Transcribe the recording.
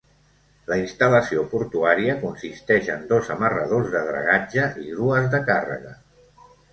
La instal·lació portuària consisteix en dos amarradors de dragatge i grues de càrrega.